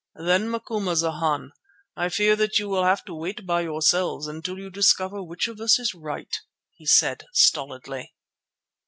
"Then, Macumazana, I fear that you will have to wait by yourselves until you discover which of us is right," he said stolidly.